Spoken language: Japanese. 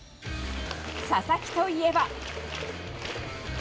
佐々木といえば。